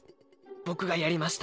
僕がやりました。